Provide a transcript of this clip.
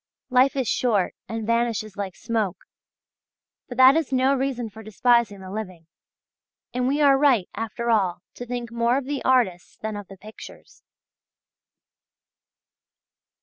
Life is short and vanishes like smoke! But that is no reason for despising the living. And we are right after all to think more of the artists than of the pictures.